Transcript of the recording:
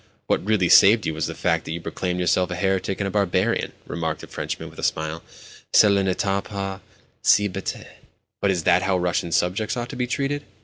"What really saved you was the fact that you proclaimed yourself a heretic and a barbarian," remarked the Frenchman with a smile. "Cela n'était pas si bête." "But is that how Russian subjects ought to be treated?